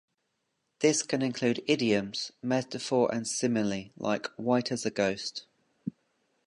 This can include idioms, metaphor, and simile, like, white as a ghost.